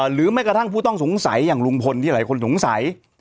แม้กระทั่งผู้ต้องสงสัยอย่างลุงพลที่หลายคนสงสัย